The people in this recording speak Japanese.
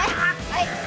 はい。